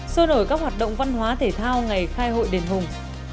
sôi nổi các hoạt động văn hóa thể thao ngày khai hội đền hùng